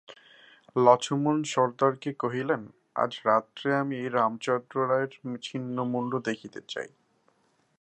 লছমন সর্দারকে কহিলেন, আজ রাত্রে আমি রামচন্দ্র রায়ের ছিন্ন মুণ্ড দেখিতে চাই।